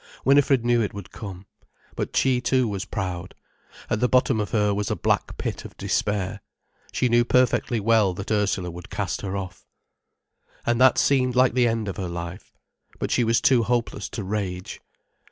Winifred knew it would come. But she too was proud. At the bottom of her was a black pit of despair. She knew perfectly well that Ursula would cast her off. And that seemed like the end of her life. But she was too hopeless to rage.